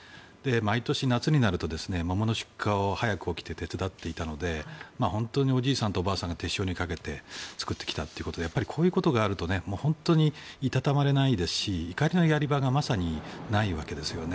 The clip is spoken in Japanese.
毎年夏になると桃の出荷を早く起きて手伝っていたので本当におじいさんとおばあさんが手塩にかけて作ってきたということでこういうことがあると本当にいたたまれないですし怒りのやり場がまさにないわけですよね。